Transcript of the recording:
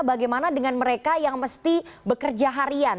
bagaimana dengan mereka yang mesti bekerja harian